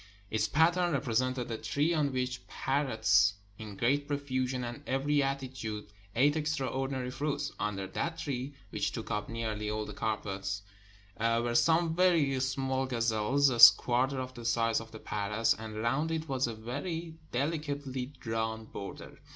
Its pattern repre sented a tree on which parrots in great profusion and every attitude ate extraordinary fruits. Under that tree, which took up nearly all the carpet, were some very small gazelles, a quarter of the size of the parrots, and round it was a very delicately drawn border.